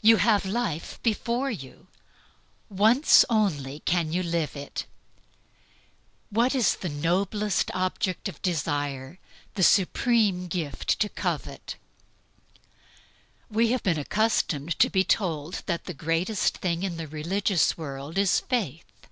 You have life before you. Once only you can live it. What is the noblest object of desire, the supreme gift to covet? We have been accustomed to be told that the greatest thing in the religious world is Faith.